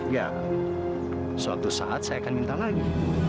ya suatu saat saya akan minta lagi